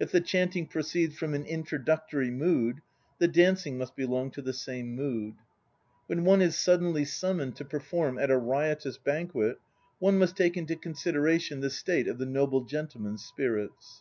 If the chanting proceeds from an "introductory mood," the dancing must belong to the same mood. ... When one is suddenly summoned to perform at a riotous ban quet, one must take into consideration the state of the noble gentle men's spirits.